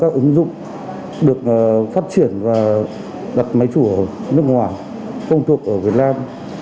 các ứng dụng được phát triển và đặt máy chủ ở nước ngoài không thuộc ở việt nam